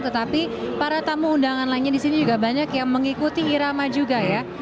tetapi para tamu undangan lainnya di sini juga banyak yang mengikuti irama juga ya